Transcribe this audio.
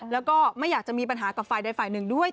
แล้วก็ไม่อยากจะมีปัญหากับฝ่ายใดฝ่ายหนึ่งด้วย